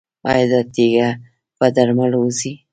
ایا دا تیږه په درملو وځي؟